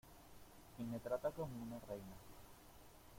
y me trata como una reina.